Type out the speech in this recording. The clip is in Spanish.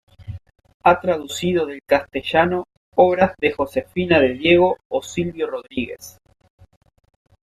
Ha traducido del castellano obras de Josefina de Diego o Silvio Rodríguez.